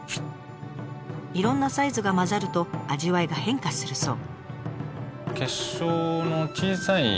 いろんなサイズがまざると味わいが変化するそう。